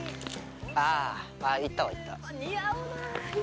あぁいったはいった。